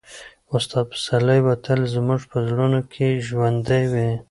استاد پسرلی به تل زموږ په زړونو کې ژوندی وي.